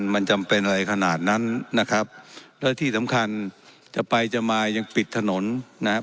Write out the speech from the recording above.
มันจำเป็นอะไรขนาดนั้นนะครับและที่สำคัญจะไปจะมายังปิดถนนนะครับ